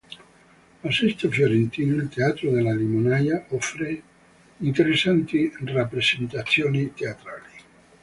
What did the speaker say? A Sesto Fiorentino, il Teatro della Limonaia offre interessanti rappresentazioni teatrali.